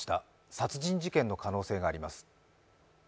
殺人事件の可能性があります。